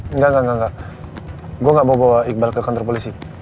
enggak enggak enggak gue gak mau bawa iqbal ke kantor polisi